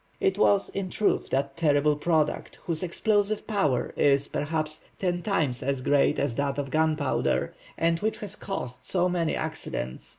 It was, in truth, that terrible product, whose explosive power is, perhaps, ten times as great as that of gunpowder, and which has caused so many accidents!